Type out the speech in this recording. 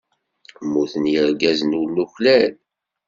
Mmuten yirgazen ur nuklal.